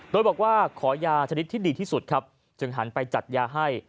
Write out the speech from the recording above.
โดยบอกว่าขอยาชนิดที่ดีที่สุดครับจึงหันไปจัดยาให้